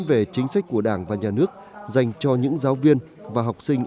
về chính sách của đảng và nhà nước dành cho những giáo viên và học sinh